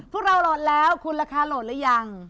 พวกเราโหลดแล้วคุณราคาโหลดหรือยัง